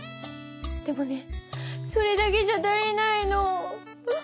でもねそれだけじゃ足りないの。